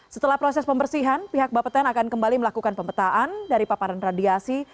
setelah proses pembersihan pihak bapeten akan kembali melakukan pemetaan dari paparan radiasi